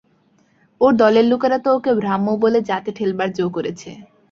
ওর দলের লোকেরা তো ওকে ব্রাহ্ম বলে জাতে ঠেলবার জো করেছে।